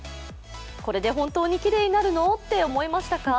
これで本当にきれいになるの？って思いましたか？